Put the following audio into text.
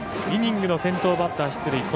イニングの先頭バッター出塁。